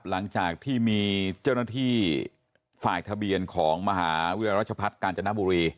หลังจากที่มีเจ้าหน้าที่ฝ่ายทะเบียนของมหาวิทยารัชพัฒน์กาญจนบุรี